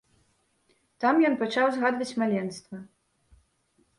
Там ён пачаў згадваць маленства.